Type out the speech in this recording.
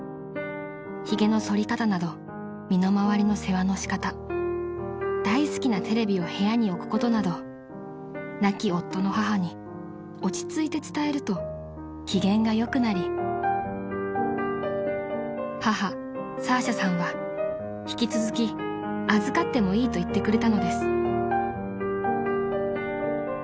［ひげのそり方など身の回りの世話の仕方大好きなテレビを部屋に置くことなど亡き夫の母に落ち着いて伝えると機嫌がよくなり母サーシャさんは引き続き預かってもいいと言ってくれたのです］